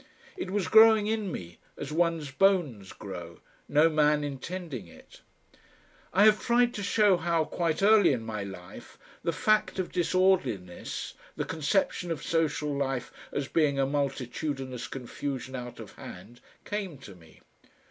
It was growing in me as one's bones grow, no man intending it. I have tried to show how, quite early in my life, the fact of disorderliness, the conception of social life as being a multitudinous confusion out of hand, came to me.